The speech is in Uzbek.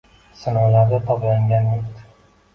Sinovlarda toblangan yurt